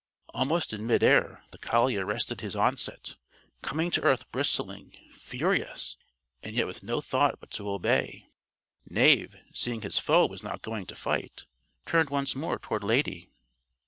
_" Almost in midair the collie arrested his onset coming to earth bristling, furious and yet with no thought but to obey. Knave, seeing his foe was not going to fight, turned once more toward Lady.